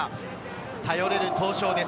頼れる闘将です。